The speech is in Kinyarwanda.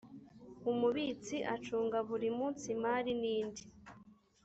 umubitsi acunga buri munsi imari n indi